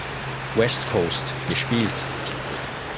West Coast, gespielt.